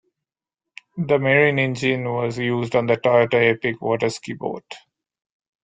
The marine engine was used on the Toyota Epic waterski boat.